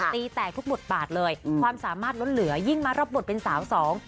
ตีแตกทุกบทบาทเลยอืมความสามารถล้นเหลือยิ่งมารับบทเป็นสาวสอง